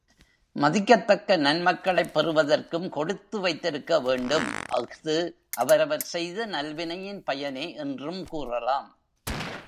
மதிக்கத்தக்க நன்மக்களைப் பெறுவதற்கும் கொடுத்து வைத்திருக்க வேண்டும் அஃது அவரவர் செய்த நல்வினையின் பயனே என்றும் கூறலாம்.